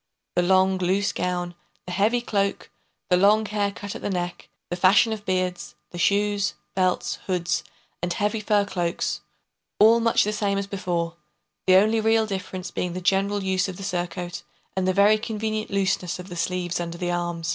the long loose gown, the heavy cloak, the long hair cut at the neck, the fashion of beards, the shoes, belts, hoods, and heavy fur cloaks, all much the same as before, the only real difference being in the general use of the surcoat and the very convenient looseness of the sleeves under the arms.